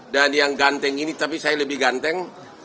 dan yang ganteng ini tapi saya lebih ganteng